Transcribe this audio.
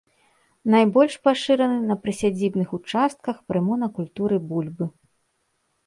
Найбольш пашыраны на прысядзібных участках пры монакультуры бульбы.